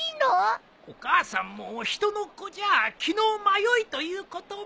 お母さんも人の子じゃ気の迷いということも。